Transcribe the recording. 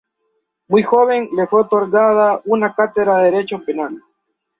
Muy joven, le fue otorgada una cátedra de Derecho Penal.